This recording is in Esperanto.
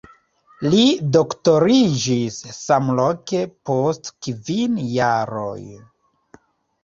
Li doktoriĝis samloke post kvin jaroj.